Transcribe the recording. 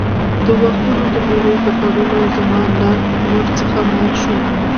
د وختونو د پېرونو په خوړلو زما ناټ ور څخه مات شو.